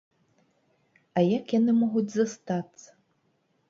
А як яны могуць застацца?